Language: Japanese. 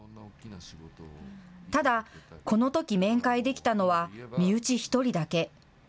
ただ、このとき面会できたのは、身内１人だけ。